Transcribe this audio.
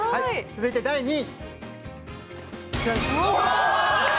続いて第２位。